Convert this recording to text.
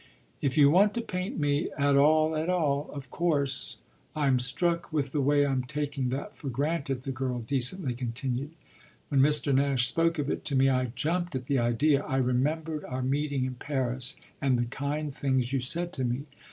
"If you want to paint me 'at all at all' of course. I'm struck with the way I'm taking that for granted," the girl decently continued. "When Mr. Nash spoke of it to me I jumped at the idea. I remembered our meeting in Paris and the kind things you said to me.